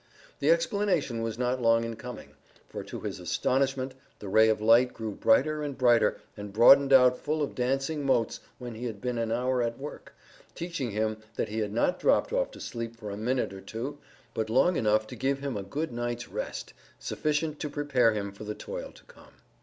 The explanation was not long in coming, for to his astonishment the ray of light grew brighter and brighter, and broadened out full of dancing motes when he had been an hour at work, teaching him that he had not dropped off to sleep for a minute or two, but long enough to give him a good night's rest sufficient to prepare him for the toil to come.